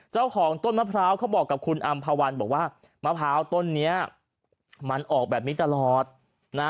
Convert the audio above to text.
เจ้าของต้นมะพร้าวเขาบอกกับคุณอำภาวันบอกว่ามะพร้าวต้นนี้มันออกแบบนี้ตลอดนะ